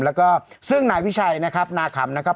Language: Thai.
แล้วก็ซึ่งนายวิชัยนะครับนาขำนะครับ